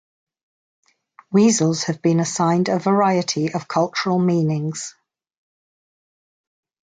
Weasels have been assigned a variety of cultural meanings.